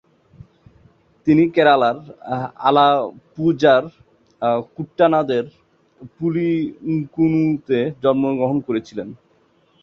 তিনি কেরালার আলাপ্পুজার কুট্টানাদের পুলিঙ্কুন্নুতে জন্মগ্রহণ করেছিলেন।